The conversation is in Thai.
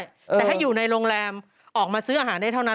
แต่ถ้าอยู่ในโรงแรมออกมาซื้ออาหารได้เท่านั้น